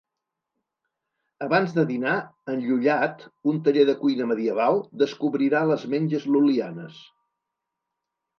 Abans de dinar, Enllullat, un taller de cuina medieval, descobrirà les menges lul·lianes.